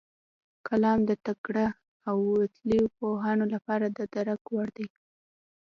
کلام د تکړه او وتلیو پوهانو لپاره د درک وړ و.